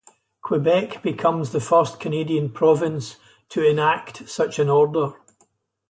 Quebec becomes the first Canadian province to enact such an order.